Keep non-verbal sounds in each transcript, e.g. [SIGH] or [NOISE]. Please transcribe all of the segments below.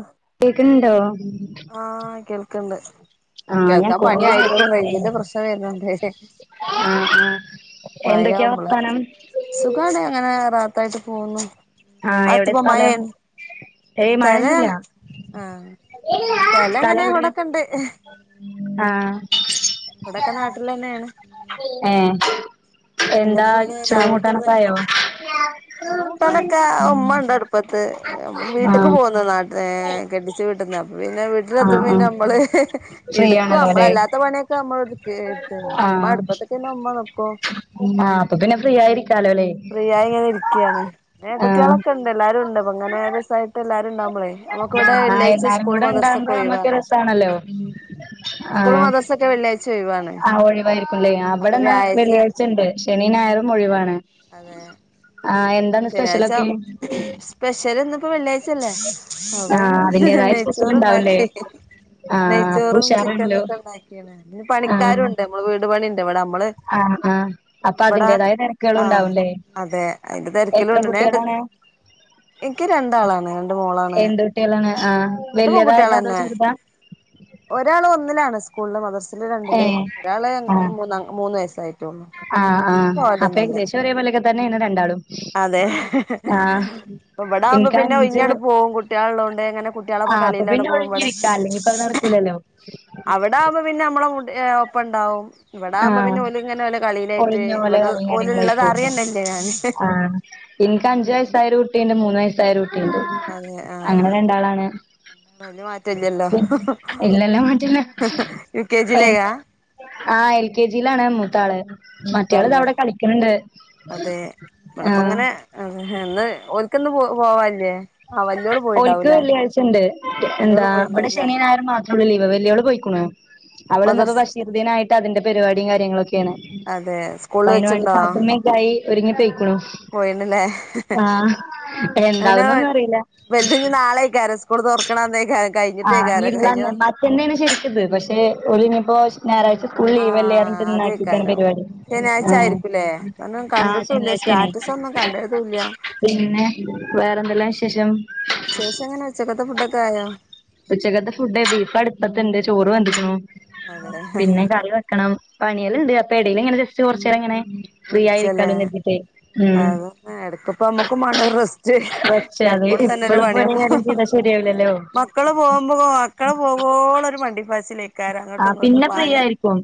ആഹ് കേക്കുണ്ടോ? ആഹ് കേക്കുണ്ട്. ആഹ് ഞാൻ കേൾക്കാ കൊറേ പണി നേരായി ആയിരിക്കും, റേഞ്ചിന്റെ പ്രശ്നം വരുന്നുണ്ട്. ആഹ് ആഹ് എന്തൊക്കെയാ മഴയാവുമ്പോഴേ വർത്താനം സുഖാണ് അങ്ങനെ റാഹത്തായിട്ട് പോകുന്നു. ആഹ് എവിടെ അകത്തിപ്പോ സ്ഥലം മഴയാണ് ഏയ്‌ മഴയൊന്നും സ്ഥലം ഇല്ല. ആഹ് അങ്ങനെ സ്ഥലം എവിടെയാ, ഇവിടൊക്കെണ്ട് ആഹ്. ഇവിടെ ഒക്കെ നാട്ടിൽ തന്നെയാണ്. ഏഹ് എന്താ എന്തൊക്കെ പിന്നെ ചോറും രാവിലത്തെ കൂട്ടാനൊക്കെ ആയോ? ചോറും കൂട്ടാനും ഒക്കെ. ഉമ്മയുണ്ട് അടുപ്പത്ത് വീട്ടുക്ക് ആഹ് പോകുന്ന നാട്ടിനേ കെട്ടിച്ചു വീട്ടീന്ന്. പിന്നെ ആഹ് വീട്ടിലത്തും ആഹ് പിന്നെ നമ്മള് ഫ്രീ എടുക്കും ആണല്ലോ അല്ലേ നമ്മളല്ലാത്ത പണിയൊക്കെ നമ്മൾ കേടുത്ത മ്മ ആഹ് അടുപ്പത്തക്കന്ന മ്മ ന് ക്കും ആഹ് അപ്പൊ പിന്നെ ഫ്രീ ആയിരികാ ലോലേ ഫ്രീ ആയി ഇങ്ങനെ ഇരിക്കുകയാണ് ഏ ട്ടത്തിയാളൊക്കെ ഉണ്ട് എല്ലാരും ഉണ്ട് ങ്ങനെ ആഹ് ര സാ യിട്ട് എല്ലാരും ഉണ്ടാവുമ്പോളേ നമുക്ക് ഇവിടെ ആഹ് വെള്ളിയാഴ്ച എല്ലാരും സ്കൂൾ കൂടെ മദർസൊക്കെ ഉണ്ടാകുമ്പോ ഒയി നമ്മക്ക് വാണ് രസാണല്ലോ സ്കൂൾ മദർസെ വെള്ളിയഴ്ച ഒയ് വാണ് ആ ഒഴിവായിരിക്കുംല്ലേ വിടെന്നാ വെള്ളിയാഴ്ച ഉണ്ട് ശനി ഞായറും ഒഴിവാണ് അതെ ആഹ എ ശനിയാഴ്ച സ്പെഷ്യൽ ഇന്നിപ്പോ വെള്ളിയാഴ്ചല്ലേ അപ്പം ആഹ് അതിന്റേതായ സ്പെഷ്യൽ ഉണ്ടാവുംല്ലേ ചോറണ്ടാക്കി ആഹ് അപ്പൊ നെയ്ച്ചോറും ചിക്കന ഉഷാറാണല്ലോ ഒക്കെ ഉണ്ടാക്കി പിന്നെ പണിക്കാരുണ്ട് നമ്മള് വീട് പണിണ്ട് ഇവിടെ നമ്മള് ആഹ ആ അപ്പൊ ഇവിടെ അതിന്റെേതായ തെരു ക്കകളും ആഹ് ഉണ്ടാവുംല്ലേ അതെ അയിന്റെ എത്ര തിരക്കിലുണ്ട് ഞാൻ ഏട്ട കുട്ടികളാണ് എനിക്ക് രണ്ടാളാണ് രണ്ട് മോളാണ് എന്ത് കുട്ടികളാണ് ആ രണ്ട് വലിയതായത അതോ പെൺകുട്ടികളന്നെ ചെറുതാ ഒരാള് ഒന്നിലാണ് സ്കൂളില് മദർസില് രണ്ടില് ഏഹ് ഒരാള് മൂന്ന് വയസ്സായിട്ടേള്ളു ആ ആഹ് അപോഏകദേശം ഒരേ പോലൊക്കെ തന്നേണ് രണ്ടാളും അതെ ഹ് ഹ് ആഹ് ഹ് ഇപ്പ ഇബടാവുമ്പോ എനിക്ക് പിന്നെ അഞ്ച് ഒയിഞ്ഞണ്ട് പോവും കുട്ടികള ഉള്ളോണ്ട് അങ്ങനെ കുട്ടികളെപ്പൊ ആഹ് അപ്പൊ കളിയിലാണ് പിന്നെ പോകും ബടെ ഒഴിഞ്ഞിരിക്കാ അല്ലെങ്കി ഇപ്പത് നടക്കൂലല്ലോ അവിടെ ആവുമ്പോ പിന്നെ നമ്മള മു ഒപ്പണ്ടാവും ഇവിടെവുമ്പോ ആഹ് പിന്നെ ഓലി ഇങ്ങനെ ഓലെ കളിയിലായിട്ട് ഒളിഞ്ഞ പോലെ ഇവിടെ കളിയും ഓലള്ളത് അറിയന്നല്ല ഞാന് എനിക്ക് അഞ്ചു വയസ്സായരു കുട്ടിണ്ട് മൂന്ന വയസായരു കുട്ടിണ്ട് അതെ ആഹ് അങ്ങനെ രണ്ടാളാണ് വല്യ മാറ്റല്ലല്ലോ ഇല്ലെല്ലാ മാറ്റുന്ന യു കെ ഏ [UNINTELLIGIBLE] ജിയിലേക്കാ ആഹ് എൽ കെ ജിയിലാണ് മൂത്താള് മറ്റാള് ദാ മൂത്താള്ല്ലേ വിടെ കളിക്കണണ്ട് ആഹ് ഹാന്ന് ഓലിക്ക്ന്ന് പോ പോവല്ലേ ഓല്ക്ക് വെള്ളിയാഴ്ചണ്ട് വല്യോള് എന്താ ഇവിടെ പോയിണ്ടാവുല്ലേ ശനീഞായറും മാത്രൊള്ളൂ ലീവ് വെല്ലിയോള് പോയിക്ക്ണു അവള് ഇന്നപ്പോ മദർസ് ബഷീർദിനായിട്ട് അതിന്റെ പരിപാടീം കാര്യങ്ങളൊക്കേണ് അതെ അപ്പ സ്കൂളിൽ അയിന് വാണ്ടി വെച്ചുണ്ടോ പാത്തുമെക്കായി ഒരുങ്ങിപ്പയിക്ക്ണു പോയിണ്ല്ലേ ആഹ് അങ്ങനെ എന്താവുന്നൊന്നും അറിയില്ല വലുത് ഞ് നാളേക്കാരം സ്കൂൾ തൊറക്കണ അന്നേക്കാരം കഴിഞ്ഞട്ടേക്കാരം കഴിഞ്ഞ ഇന്നേന്ന് ശരിക്കിത് പക്ഷെ ഒല്നീപ്പോ ഞായറാഴ്ച സ്കൂള ആ ലീവലേറഞിട്ട് ഇന്നാക്കിക്കാണ് അതേക്കാരം പരിപാടി ശനിയാഴ്ച ആ ആയിരിക്കൂല്ലേ കാരണം ആഹ് കണ്ടിട്ടുല്ല ശനിയായ്ചേണെയ് സ്റ്റാറ്റസ് ഒന്നും കണ്ടതുല്ല പിന്നെ വേറെന്തെല്ലാം വിശേഷം വിശേഷം ങ്ങനെ ഉച്ചക്കത്തെ ഫുഡൊക്കായോ ഉച്ചകത്തെ ഫുഡേ ബീഫ അടുപ്പത്ത് ചോറ് വക്ക്ണു അതെ പിന്നെ കറി ണം പണിയെലാംണ്ട് അപടേല് ഇങ്ങനെ ജസ്റ്റ് കുറച്ചേരം ങ്ങനെ ഫ്രീ ആയിരിക്കാലോ കര്തിട്ടെയ് എടക്കപ്പമ്മക്കും വേണ്ട ഒര് റെസ്റ്റ് എപ്പഴും ഇതന്നെലെ ഒരു പണിയാവുമ്പോ ശരിയാവൂല്ലല്ലോ മക്കള് പോകുമ്പോ മക്കള് പോകവോള്ളൊരു മണ്ടിപ്പാചി ആ പിന്നെ ഫ്രീ ആയിരിക്കും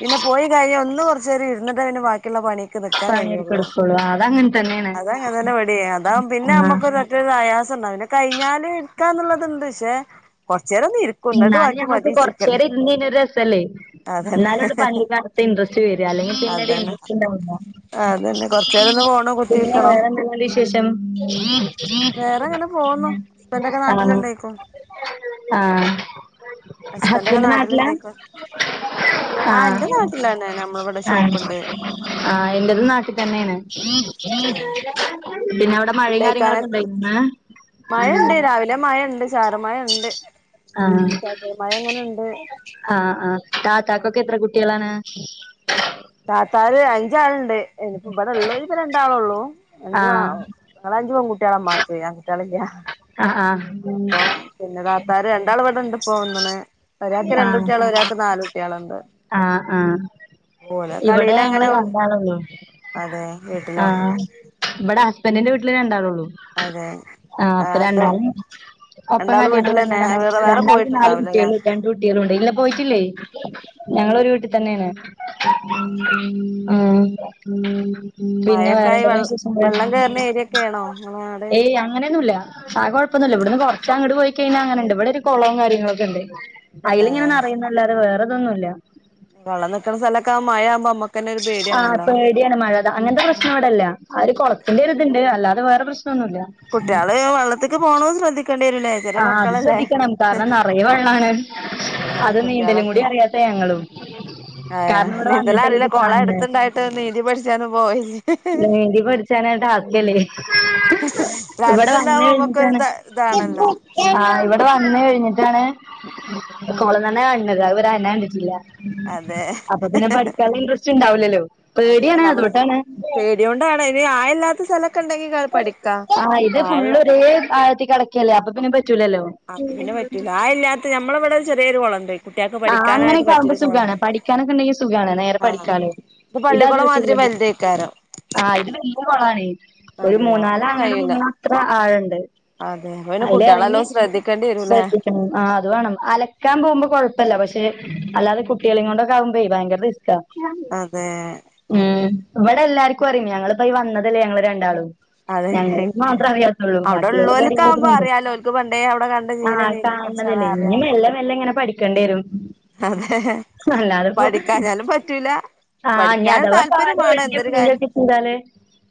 പിന്നെ പോയി കഴിഞ്ഞാ ഒന്ന് കുറച്ചേരിരന്നിട്ടേ പിന്നെ ബാക്കിള്ള പണി ന്നികാൻ കഴിയുള്ളൂ പണിയെടുക്കെടുക്കുള്ളൂ അതങ്ങനെ തന്നെയാണ് അതങ്ങനതന്നെ വെടിയേ അത പിന്നെ ആഹ് നമ്മക്ക് മറ്റൊരു ആയാസം ഉണ്ടാ കഴിഞ്ഞാല് ഇര്ക്കാന്ന്ള്ളത്ണ്ട് പക്ഷേ കൊചേരം നി ഇന്നാലും ഞമ്മക്ക് കൊറച്ചേരയിരന്ന് ന്നയിഞ്ഞാ രസല്ലേ അതന്നെ ന്നാലലൊള്ളൂ പള്ളിക്കാലത്ത് ഇൻട്രസ്റ്റ് വരിഅ അല്ലെങ്കി പിന്നെ അതന്നെ ഇൻട്രസ്റ്റ് അതന്നെ കൊറച്ചേരം ഒന്ന് ണ്ടാവൂല ഫോണ് പിന്നെ കുത്തിയിരിക്കണം വേറെ എന്തെങ്ക വിശേഷം വേറെ അങ്ങനെ പോവുന്നു ഹസ്ബൻഡൊക്കെ ആണോ നാട്ടിലുണ്ടേക്കും ആഹ് ഹസ്ബൻ്റഒക്കെ ഹസ്ബൻഡ് നാട്ടിലാ നാട്ടിലിഇണ്ടേക്കും ആ ആഹ് ന്റെ നാട്ടിലാണ ആഹ് ആ ഇന്റതും നാട്ടിതന്നേണ് അതെ പിന്നെ അവിടെ മഴീം കാര്യങ്ങളൊക്കെ ഉണ്ടായിക്ണേ മയണ്ട് രാവിലെ മയണ്ട് ചാറൽ മയണ്ട് ആ ആ ആഹ് താത്താക്കൊക്കെ എത്ര കുട്ടിയാളാണ് താത്താര് അഞ്ചാള്ണ്ട് ഇനിപ്പ ഇബടളോര്പ്പോ രണ്ടാളൊള്ളൂ അഞ്ചു ആ ആഹ് ഇങ്ങളഞ്ച് പെകുട്ടിയാളാ ഇമ്മാക്ക് ആകുട്ടൃയാളില്ല ആ ആഹ് അപ്പം പിന്നെ താത്താര് രണ്ടാൾ ഇവിടെ ഇണ്ട് പോ വന്നണ് ഒരാക്ക് രണ്ടുട്ടിയാളും ഒരാക്ക് നാല് കുട്ടിയാളുണ്ട് ആഹ ആഹ് ഇവിടെ ഞങ്ങള് കളിയിലങ്ങനെ രണ്ടാളൊള്ളൂ അതെ വീട്ടിലോ ആഹ് ഇബടെ ഹസ്ബൻ്റിന്റെ വീട്ടില് രണ്ടാളൊള്ളു അതെ ആ അപ്പൊ ആഹ് രണ്ടാളും ഒപ്പം രണ്ടാളും കല്യാണം വീട്ടിലന്നെ കഴിഞ്ഞതാ വേറെ വേറെ രണ്ടാൾക്കും നാല് പോയിട്ടുണ്ടാവൂലല്ലേ കുട്ടിയളും രണ്ട കുട്ടികളും ഉണ്ട് ഇല്ല പോയിട്ടില്ലേയ് ഞങ്ങളൊരു വീട്ടി തന്നെയാണ് അതെ ആഹ് പിന്നെ മഴക്കായി വെള്ള വേറെണ്ടന്വിശേഷം വെള്ളം കേറുന്ന ഏരിയൊക്കെ ആണോ നിങ്ങളെ ഏയ് നാട് അങ്ങനെന്നുല്ല ആാ കുഴപ്പൊന്ന ഇവിടുന്ന്കൊറച്ച അങ്ങട്ട് പോയികയിഞ്ഞാ അങ്ങനെണ്ട് ഇവിടെ ഒരു കെളോം കാര്യങ്ങളൊക്കെണ്ട് അയ്ല്ങ്ങനെ അതെ നറയുംന്നല്ലാതെ വേറെതൊന്നുംല്ല വെള്ളം നിക്ക്ണ സ്ഥലൊക്കെ മഴയാകുമ്പം നമ്മ ആ പേടിയാണ് മഴ അങ്ങനത്തെ പ്രശ്നം ഇവിടെല്ല ഒര് കൊളത്തിന്റെ ഒരിത്ണ്ട് അല്ലാതെ വേറെ പ്രശ് ശ്ണൊന്നുല്ല കുട്ട്യാള് വള്ളത്ത്ക്ക് പോണത് ശ്രദ്ധി ആഹ് അത് ശ്രദ്ധിക്കണം കാരണം നറയെ വെള്ളാണ് വെള്ളാണ് അത് നീന്തലും കൂടി അറിയാത്ത ഞങ്ങളും ആ കാരണം ഇവിടെ വന്നിട്ടല്ലേ നീന്തലറീല ഇത് കൊളം കാൺണെ അട്ത്ത്ണ്ടായിട്ടും നീന്തി പഠിച്ചാനും പോയില്ലേ നീന്തി പഠ്ച്ചാനായ്ട്ട് ആവശ്യംല്ലതെ ഇവിടെ വന്ന് അടുത്തുണ്ടാവുമ്പോ നമ്മക്കൊരു കഴിഞ്ഞിട്ടാണ് ഇത ഇതാണല്ലോ ആ ഇവിടെ വന്ന് കഴിഞ്ഞപ്പളാണ് കൊളംതന്നെ കാണ്ന്നത് അത് വരെ അതെന്നെ കണ്ടിട്ടില്ല അതെ അപ്പംപിന്നെ പഠിക്കാൻള്ളെ ഇൻട്രസ്റ്റ് ഇണ്ടാവൂല്ലല്ലോ അതെ പേടിയാണ് നമ്മള് അതോണ്ടാണ് പേടിയോണ്ടാണ് ഇനി ആയല്ലാത്ത സ്ഥലൊക്കെ ഇണ്ടെങ്കി ആഹ് ഇത് ഫുള്ള് ഒരേ ആഴത്തിൽ കെടക്കല്ലേ അപ്പൊ പിന്നെ പറ്റൂലല്ലോ അപ്പംപിന്നെ പറ്റൂല ആയംല്ലാത്തെ ഞമ്മളെ ഇവിടെ ചെറിയൊരു കൊളംണ്ട് കുട്ട്യാക്ക് ആഹ് പഠിക്കാനായിട്ട് അങ്ങനെയൊക്കെ ആകുമ്പോ പറ്റിയൊരു കൊളം സുഖാണ് പഠിക്കാനൊക്കെ ഉണ്ടെങ്കി സുഖാണ് നേരെ ആഹ് പഠിക്കാലോ ഇത് ഇതാത് പള്ളിക്കൊളം മാതിരി വെച്ചുള്ളത് വല്തേയ്ക്കാരം ആഹ് ഇത് വല്ല്യ കൊളാണെ ഒരു അപ്പൊ മൂന്നാല് പിന്നെ ആനാള് കഴിയൂല മുങ്ങ്ണത്ര ആയംണ്ട് അതെ അപ്പംപിനെ കുട്ട്യാളെനല്ലോം ശ്രദ്ധിക്കണ്ടി വരുംല്ലേ മ് ആ അത് വേണം അലക്കാൻ പോകുമ്പോ കൊഴ പ്പല്ല പക്ഷെ അല്ലാതെ കുട്ടികളി കൊണ്ടൊക്കെ ആവുമ്പെ ഭയങ്കര റിസ്ക്കാ അതെ ഉം ഓക്കെ ഇവിടെ എല്ലാർക്കും അറിം ഞങ്ങളിപ്പം ഈ വന്നതല്ലേ ഞങ്ങൾ രണ്ടാളും അതെ ഞങ്ങൾക്ക് മാത്രം അറിയാത്തൊള്ളൂ അവിടെ ബാക്കിള്ളോലൊക്കെ ഉള്ളോൽക്ക് ആവുമ്പോ പിന്നെ അറിയാലോ ഓൽക്ക് പണ്ടേ അവിടെ കണ്ട [UNINTELLIGIBLE] ആ ശീലം നീന്തി പഠിച്ചാണ് കാണ്ന്നതല്ലേ ഇഞ്ഞ് അറിയാലോ മെല്ലെ മെല്ലെങ്ങനെ പഠിക്കണ്ടി വരും അതെ അല്ലാതപ്പം പഠിക്കാഞ്ഞാലും പറ്റൂല ആഹ് ഞ്ഞ് പഠിക്കാൻ അഥവാ കാല് വഴിക്കി വീയൊക്കെ ചെയ്താല്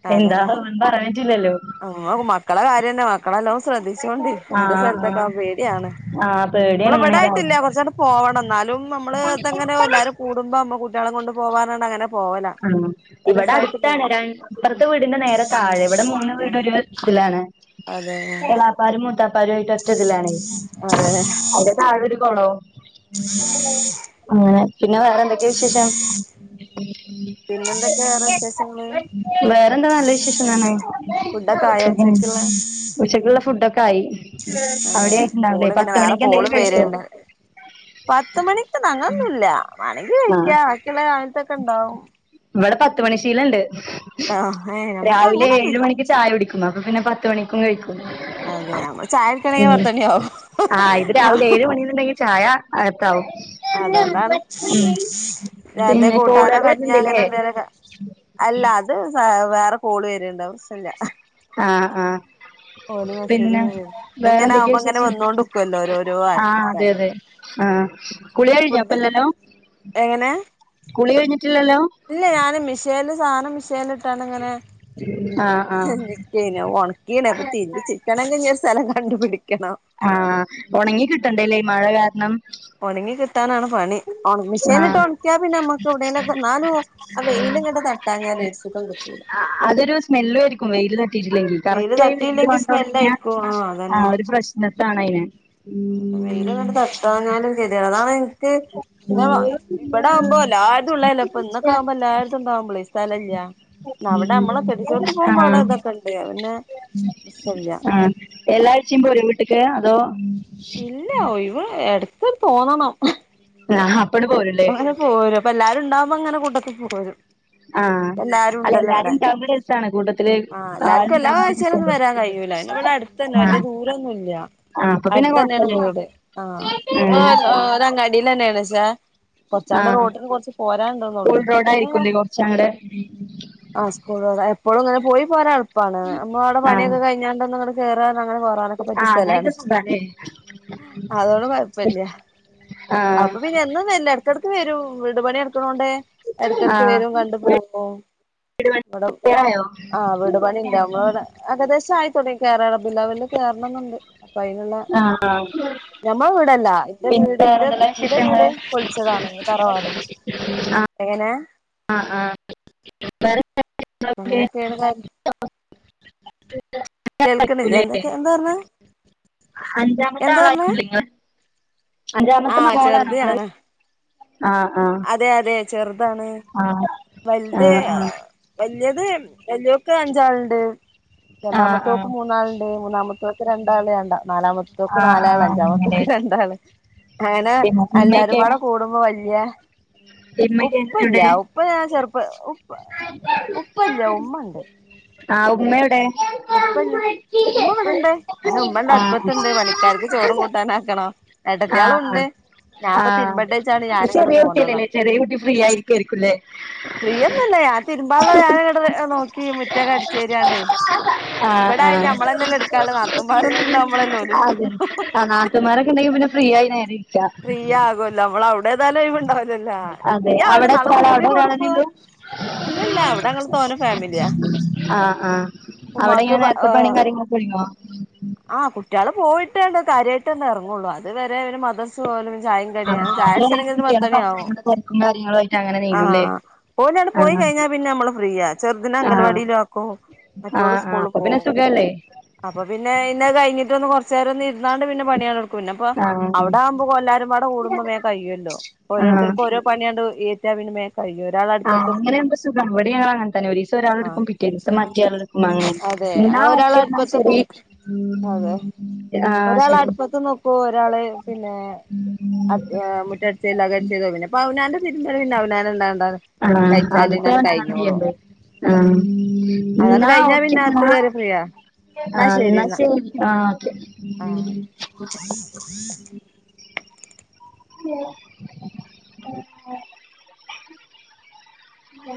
ആ എന്താവാന്ന് പറയാൻ പറ്റൂലല്ലോ ആ മക്കളെ കാര്യം തന്നെ മക്കളെനല്ലോം ശ്രദ്ധിച്ചോണ്ടി അങ്ങനത്തെ ആഹ് സ്ഥലത്തൊക്കെ ആഹ് ആവുമ്പോ പേടിയാണ് ആഹ് നമ്മൾ പേടിയാണ് അങ്ങനെയൊക്കെ ഇവിടായിട്ടില്ല ആവുമ്പോ കൊറ്ച്ചാണ്ട് പോവണം എന്നാലും നമ്മള് ഇതങ്ങനെ എല്ലാരും കൂടുമ്പോ നമ്മ കുട്ടിയാളെ കൊണ്ട് പോകാനാണ് അങ്ങനെ പോവല ആ ഇവിടെ രസായിട്ട് പോവും അട്ത്താണ് ര ഇപ്പറത്തെ വീടിന്റെ നേരെ താഴെ ഇവിടെ മൂന്ന് ആ വീട് ഒരിടത്തിലാണ് അതെ പ്പാരുംമൂത്താപ്പാരും ആയിട്ട് ഒറ്റതിലാണേ അതെ [UNINTELLIGIBLE] താഴെ ഒരു കോള്ളവും അങ്ങനെ പിന്നെ വേറെന്തൊക്കെ വിശേഷം ഉം പിന്നെ എന്തൊക്കെയാ വിശേഷങ്ങള് വേറെന്താ നല്ല വിശേഷാണ് ഫുഡൊക്കെ ആയോ സുഖം ഉച്ചക്കുള്ള ഉച്ചക്കുള്ള ഫുഡ്ടൊകെയി അതെ അവിടെ ആയിട്ടുണ്ടാവില്ലേ കോള് ഇങ്ങനെ വേറെ പത്തുമണിക്ക് എന്തെലും കോളും കഴിക്കോ വരണ്ട് പത്ത് മണിക്ക് അങ്ങൊന്നുല്ല വേണെങ്കി ആഹ് കഴിക്കാ ബാക്കിയുള്ള കാലത്തൊക്കെ ഉണ്ടാവും ഇവിടെ പത്ത് മണി ശീലുണ്ട് ണ്ടോ ഏ നമുക്ക് രാവിലെ അങ്ങനൊന്ന് ഏഴ് മണിക്ക് ചായകുടിക്കുന്നോ അപ്പം പിന്നെ പത്ത് മണിക്കും കഴിക്കും അതെ നമ്മള് ചായ കുടിക്കണെങ്കി ഉം പത്തണിയാവും ആഹ് ഇത് രാവിലെ ഏഴ് മണീന്ന്ണ്ടെങ്കിൽ ചായ അകത്താവും അതുകൊണ്ടാണ് ഉം പിന്നെ കുടെ ഇഞ്ഞ് അങ്ങനെ എന്തേലും ഒക്കെ അല്ല അത് വ വേറെ കോള് വരിണ്ടാവും ആ ആ ഓല് പിന്നെ മെസ്സേജ്ങ്ങനെ വരും ഇതിങ്ങനെ വേറെന്തൊക്കെ ആവുമ്പോ ഇങ്ങനെ വിശേഷം വന്നോണ്ട്ക്കുവല്ലോ ഓരോരോ ആഹ് അതെ ആൾക്കാര് അതെ അഹ് കുളികയിഞ്ഞോ ഫുഡ് ഇപ്പംല്ലല്ലോ എങ്ങനെ കുളി കഴിഞ്ഞിട്ടില്ലല്ലോ ഇല്ല ഞാന് മിഷേല് സാനം മിഷേലിട്ട് ട്ടാണ്ട്ങ്ങനെ ആഹ് ആഹ് നിക്കെയ്നി അപ്പം ഒണക്കിണ് കുത്തി ഇടിച്ച് ചിക്കണങ്കിഞ്ഞ് സ്ഥലം കണ്ടുപിടിക്കണം ആഹ് ഉണങ്ങി കിട്ടണ്ടെല്ലേ മഴ കാരണം ഒണങ്ങി കിട്ടാനാണ് പണി അം മിഷേനിലിട്ട് ആഹ് ഉണക്കിയാ പിന്നെ നമ്മുക്ക് എവിടേലൊക്കെ എന്നാലും ആവെയ്ല് ഇങ്ങട് തട്ടാഞ്ഞാൽ ഒരു സുഖം കിട്ടൂല ആഹ് അതൊരു സ്മെല്ലാരിക്കും വെയിൽ ട്ടിറ്റില്ലെങ്കിൽ വെയില് കറക്റ്റയി വെയിൽ തട്ടിയില്ലെങ്കി കൊണ്ട് ഒണങ്ങിയാ സ്മെല്ലായിക്കും ആ ആഹ് ഒരു പ്രശ്നത്താണ് അയ്ന് വെയില്ഇങ്ങട്ട് തട്ടാഞ്ഞാലും കെതെടാ ന്നാളെ ഇനിക്ക് പിന്നെ ഇവിടെ ആവുമ്പോ എല്ലാര്തു ഉള്ളതല്ലേ പ്പോ ഇന്നൊക്കെ ആവുമ്പോ എല്ലാരതും ഇണ്ടാവുമ്പളേ സ്ഥലല്ല അവിടെ നമ്മളെ കെടിച്ചോടുത്ത് പോകുമ്പോ അവിടെ ആഹ് ഇതൊക്കെ ഉണ്ട് പിന്നെ പ്രശ്നല്ല ആഹ് എല്ലാഴ്ചയും പോക്കോ വീട്ടിക്ക് അതോ ഇല്ല ഒഴിവ് എടുത്ത് തോന്നണു ആ ഹാ അപ്പഴട് പോരുല്ലേ പോരും അപ്പൊ എല്ലാരും ഉണ്ടാവുമ്പോ അങ്ങനെ കൂട്ടത്തിൽ പോരും ആ എല്ലാരും അല്ല ഉണ്ടല്ലോ ഇവിടെ എല്ലാരും ആവുമ്പോ രസാണ് കൂട്ടത്തില്ല് ആൾ ഇപ്പം എല്ലായിചെലൊന്നും വരാൻ കഴൂല അതിന് ഇവിടെ അടുത്തന്നെ വലിയ ആഹ് ദൂരൊന്നും ഇല്ല ആഹ് അപ്പൊ പിന്നെ അടുത്ത് തന്നെയാണ് കൊഴപ്പല്ലല്ലോ വീട് ആ ഉം ഒരങ്ങാടിൽന്നെയണിച്ചാ കൊറച്ചാണ്ട് ആഹ് റോട്ടിന് കുറച്ച് പോരാണ്ട്ന്നുള്ളു പിന്നെ ചാടെ ആ സ്കൂളടെ എപ്പോഴും ഇങ്ങനെ പോയി പോരാ എളുപ്പാണ് നമ്മളവിടെ പണിയൊക്കെ ആഹ് കഴിഞ്ഞാണ്ട് കേറ ഇറങ്ങാന് ക്കേറാനൊക്കെ ആ പറ്റിയ സ്ഥലാണ് അങ്ങനെയൊക്കെ സുഖാല്ലേ അതോണ്ട് കൊഴപ്പില്ല ആ അപ്പൊ പിന്നെ എന്നും വരില്ല ഇടക്കിടക്ക് വരും വിടു പണി എടുക്കണോണ്ടെ ആ ഇടക്കിടക്ക് വെരും കണ്ടു പോവുമ്പോ വീട് ഇവിടെ പണി ആയോ ആഹ് വീടു പണി ഉണ്ട് നമ്മളവിടെ ഏകദേശം കേറാൻ ബില്ല കേയറണംന്നുണ്ട് അതിനുള്ള ആ ആ ഞമ്മള വീടല്ല എന്റെ വീടിന്റെ എന്റെ വീട് വിശേഷങ്ങള് പൊലിച്ചതാണ് തറവാട് ആ എങ്ങനാ ആ ഹാ അപ്പൊ അങ്ങനെയൊക്കെയാണ് കാര്യം [INAUDIBLE] കേൾക്കണില്ല എന്ത എന്താ പറഞ്ഞെ അഞ്ചാമത്തെ എന്താ പറഞ്ഞെ ആളായിക്കോല്ലെ നിങ്ങള് ആ അഞ്ചാമത്തെ മോളാണോ ചെറുത് നിങ്ങള് ഞാനാ ആ ആഹ് ആഹ് വലുത വലിയത് വല്യൊക്കെ അഞ്ചാളുണ്ട് ആ ആ രണ്ടാമത്തോക്ക് മൂന്നാളുണ്ട് മൂന്നാമത്തോക്ക് രണ്ടാൾ രണ്ടാ മത്തോക്ക് ആ ആ നാലാൾ അഞ്ചാമത്ത അങ്ങനെ ഓക്ക് രണ്ടാൾ അങ്ങനെ പിന്നെ എല്ലാരുംപാടെ കൂടുമ്പോ വല്യ ഇമ്മൊക്കെ എവിടെ ഇപ്പ ഞാൻ ചെറ്പ്പ ഉപ്പ ഉപ്പല്ല്യ ഉമ്മണ്ട് ആഹ് ഉമ്മെവ്ടെ ഉപ്പല്ല ഉമ്മ ഇവിടെണ്ട് അതന്നെ ഉമ്മണ്ട് ആഹ് അടുപ്പത്ത്ണ്ട് പണിക്കാർക്ക് ചോറും കൂട്ടാനും ആക്ക്ണ് ആഹ് ആഹ് ഏട്ടത്തിയാളുണ്ട് ഞാപ്പം ആഹ് തിര്മ്പട്ടേച്ചാണ്ട് ഞാന് ഇങ്ങട്ട് ചെറിയ പോന്നതാ കുട്ടിയല്ലല്ലേ ചെറിയ കുട്ടി ഫ്രീ ആയിരിക്കായിരിക്കുംല്ലേ ഫ്രീ ഒന്നല്ല ഞാ തിരുമ്പാള്ളത് ഞാന് ഇട് നോ കി മുറ്റക്ക അടിച്ചുരിയാണ്ട്. ആഹ ആഹ അ നാത്തൂന്മാരൊന്നും ഉണ്ടാവുമ്പളല്ലേ ഓല് അത് എടുക്കൊള്ളൂ ആ നതുമരൊക്കെ ഉണ്ടെങ്കിൽ പിന്നെ ഫ്രീ ആയി നേരരിക്കാം. നമ്മള അവിടൊ എതാലും ഒഴിവ് ഉണ്ടാവുലലോ. ല്ല ഫ്രീ അതെ ആവൂല അവിടെ എത്ര എന്നാലും ആളാ കൂടി അവിടെ ഒരാളെന്നെ കൊടുക്കും. ഉള്ളൂ ഇല്ലല്ലഅവിടെ ഞങ്ങള് തോന്ന ഫാമിലിയാ. ആഹ് ആ് ഉമ്മാക്ക് അവിടെങ്ങനെ നേരത്തെ പണിയും. കാര്യങ്ങളൊക്കെ കഴോ? ആഹ് കുട്ടികള് പോയിട്ടേണ്ട് കാര്യമായിട്ട് തന്നെ ഇറങ്ങുള്ളു. അത് വരെ മദ്രസ പോലും ചായ ആഹ് കടിം ചായ അവിടെ കുടിച്ചണകി ഒര് പത്ത് കുട്ടികളെ മണിയാവും. പറഞ്ഞയക്കുന്ന തിരക്കും കാര്യങ്ങളും ആയിട്ട് അങ്ങനെ ആ നീങ്ങുംല്ലേ ഒല് ആട് പോയി ആഹ് കഴിഞ്ഞാൽ പിന്നെ നമ്മള് ഫ്രീയാ ചെറുതിനെ ആഹ് അങ്കൽവാടിയിലും ആക്കും. മറ്റള് ആഹ് ആഹ് സ്കൂളിൽ അപ്പൊ പിന്നെ പോകും. സുഖല്ലേ അപ്പൊ പിന്നെ ഇന്ന് കഴിഞ്ഞിട്ട് കുറ ചേരം ഒന്ന് ഇരുന്നാണ്ട് പിന്നെ പണിയാട് എടുക്കും. പിന്ന അപ്പൊ ആഹ് അവിടെ ആകുമ്പോ എല്ലാരും പാടൊ കുടുംബം മേ കയ്യല്ലോ. ആഹ് ഓരോരുത്തർക്കും ഓരോ പണിയാണ്ട് ഏറ്റാ പിനൊ ആഹ്ങ്ങനെവുമ്പം സുഖംഇവടിം ഞങ്ങന തന്നെ ഒരു ദിവസം ഒരാള് ആ എടുക്കും. പിറ്റേ ദിവസം മാറ്റോ ആള്ള് ഇടുകും. ങ്ങനെ അതെ എന്നാ ഞങ്ങള് ഒരാൾ ഓക്കെ എന്നാ അടുപ്പത്ത് ശരി വെക്കും അതെ ആഹ ശരി. ഇ ഒരാള് പിന്നെ മുറ്റം [UNINTELLIGIBLE] അവനാന്റെ തിരുബല് പിന്നൊ അവനാനൻ [UNINTELLIGIBLE] ആ അതിപ്പോ അങ്ങനെ ചെയ്യണ്ടേ ആ അതാണ്ട് എന്നാ കഴിഞ്ഞാ ഓക്ക പിന്നെ ന അകത്ത് കേറിയ ഫ്രീയാ ആ എന്നാ ശരി ആ ഓക്കേ. ആഹ് ഉ ഉ